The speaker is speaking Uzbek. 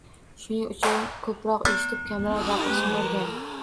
Shuning uchun ko’proq eshitib kamroq gapirishni o’rganing